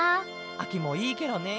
あきもいいケロね！